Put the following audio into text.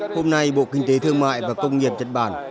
hôm nay bộ kinh tế thương mại và công nghiệp nhật bản